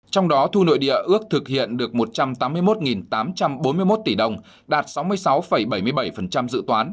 trong đó thu nội địa ước thực hiện được một trăm tám mươi một tám trăm bốn mươi một tỷ đồng đạt sáu mươi sáu bảy mươi bảy dự toán